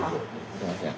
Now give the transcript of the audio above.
すいません。